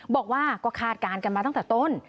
บอกว่าก็คาดการณ์กันมาตั้งแต่ต้น